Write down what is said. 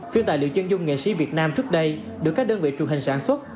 phim tài liệu chân dung nghệ sĩ việt nam trước đây được các đơn vị truyền hình sản xuất